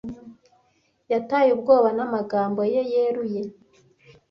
Yatewe ubwoba n'amagambo ye yeruye.